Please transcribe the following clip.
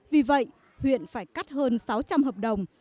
vì vậy huyện phải cắt hơn sáu triệu đồng